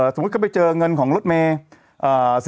สมมุติก็ไปเจอเงินของรถเมย์